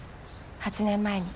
８年前に。